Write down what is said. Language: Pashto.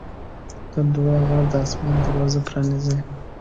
د دعا غږ د اسمان دروازه پرانیزي.